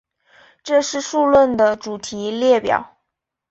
这是数论的主题列表。